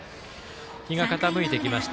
日が傾いてきました。